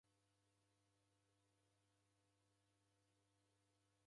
Vua yaw'enya